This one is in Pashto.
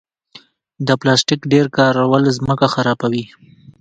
د پلاستیک ډېر کارول ځمکه خرابوي.